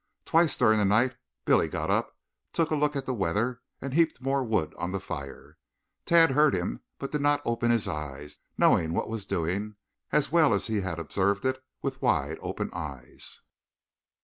Twice during the night Billy got up, took a look at the weather, and heaped more wood on the fire. Tad heard him, but did not open his eyes, knowing what was doing, as well as if he had observed it with wide open eyes.